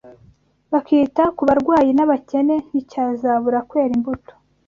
bakita ku barwayi n’abakene nticyazabura kwera imbuto.